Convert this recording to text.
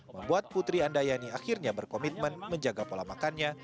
membuat putri andayani akhirnya berkomitmen menjaga pola makannya